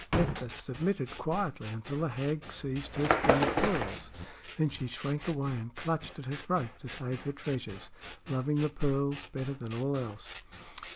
Nephthys submitted quietly until the hag seized her string of pearls; then she shrank away and clutched at her throat to save her treasure, loving the pearls better than all else.